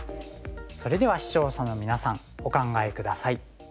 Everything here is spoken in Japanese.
それでは視聴者のみなさんお考え下さい。